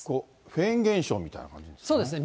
フェーン現象みたいな感じですね。